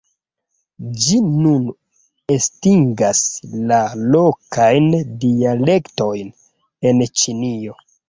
Ĝi nun estingas la lokajn dialektojn en Ĉinio.